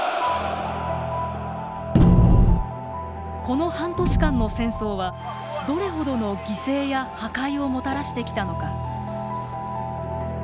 この半年間の戦争はどれほどの犠牲や破壊をもたらしてきたのか。